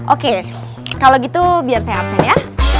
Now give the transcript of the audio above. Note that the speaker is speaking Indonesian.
oke kalau gitu biar saya absen ya